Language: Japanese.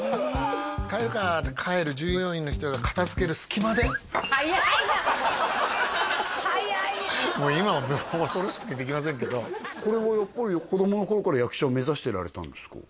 「帰るか」って帰る従業員の人が片づける隙間で速いな速いなもう今は恐ろしくてできませんけどこれはやっぱり子供の頃から役者を目指してられたんですか？